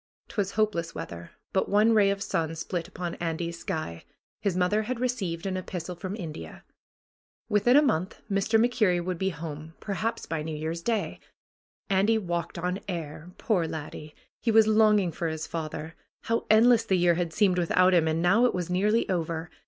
'Twas hopeless weather, but one ray of sun split upon Andy's sky. His mother had received an epistle from India. Within a month Mr. MacKerrie would be home, per haps by New Year's Day. Andy walked on air. Poor laddie ! He was longing for his father. How endless the year had seemed without him! And now it was nearly over.